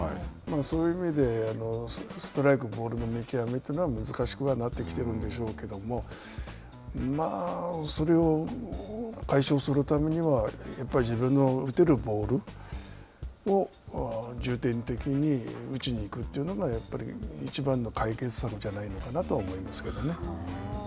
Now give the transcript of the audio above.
そういう意味で、ストライク、ボールの見極めというのは難しくなってきてるんでしょうけども、それを解消するためにはやっぱり自分の打てるボールを重点的に打ちにいくというのがやっぱりいちばんの解決策じゃないのかなと思いますけどね。